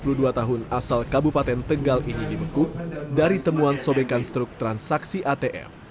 dua puluh dua tahun asal kabupaten tegal ini dibekuk dari temuan sobekan struk transaksi atm